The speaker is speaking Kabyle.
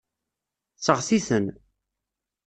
Seɣti-ten.